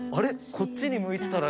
こっちに向いてたら。